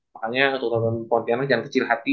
makanya untuk temen temen pontianak jangan kecil hati